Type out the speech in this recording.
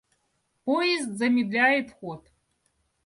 Поезд замедляет ход.